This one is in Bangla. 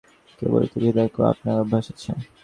কেন, বিলিতি কায়দা তো আপনার অভ্যাস আছে।